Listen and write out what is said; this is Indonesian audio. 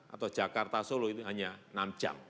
atau jakarta solo itu hanya enam jam